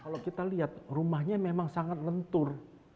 kalau kita lihat rumahnya memang sangat lentur